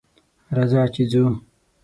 راځه ! چې ځو.